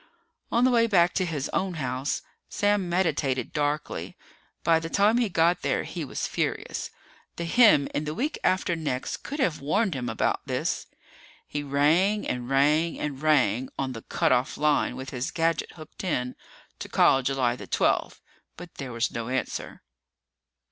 On the way back to his own house, Sam meditated darkly. By the time he got there, he was furious. The him in the week after next could have warned him about this! He rang and rang and rang, on the cut off line with his gadget hooked in to call July the twelfth. But there was no answer.